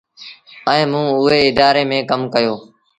ائيٚݩ موݩ اُئي ادآري ميݩ ڪم ڪيو۔